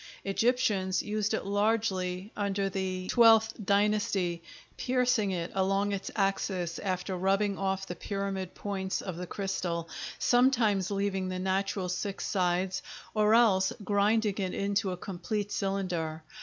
Egyptians used it largely under the XII Dynasty, piercing it along its axis after rubbing off the pyramid points of the crystal, sometimes leaving the natural six sides, or else grinding it into a complete cylinder.